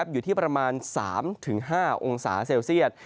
อยู่ที่ประมาณ๓๕องศาเซลเซียต